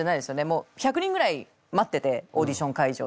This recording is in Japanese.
もう１００人ぐらい待っててオーディション会場で。